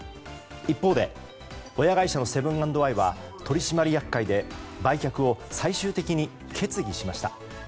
一方で親会社のセブン＆アイは取締役会で、売却を最終的に決議しました。